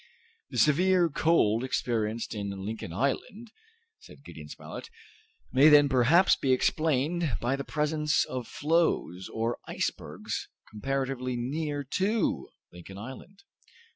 "The severe cold experienced in Lincoln Island," said Gideon Spilett, "may then perhaps be explained by the presence of floes or icebergs comparatively near to Lincoln Island."